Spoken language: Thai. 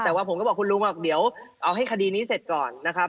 แต่ว่าผมก็บอกคุณลุงว่าเดี๋ยวเอาให้คดีนี้เสร็จก่อนนะครับ